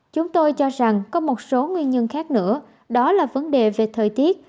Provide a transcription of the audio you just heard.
chúng tôi cho rằng có một số nguyên nhân khác nữa đó là vấn đề về thời tiết